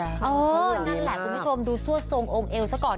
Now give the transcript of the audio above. นั่นแหละคุณผู้ชมดูซั่วทรงองค์เอวซะก่อน